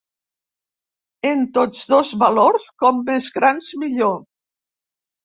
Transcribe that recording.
En tots dos valors, com més grans millor.